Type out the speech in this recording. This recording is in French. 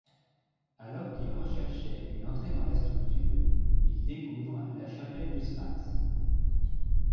Alors qu'il recherchait une entrée dans la structure, il découvre la chapelle du sphinx.